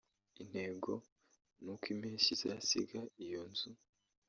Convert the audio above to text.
Intego ni uko impeshyi izasiga iyo nzu